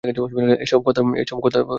এসব কথার মানে কী?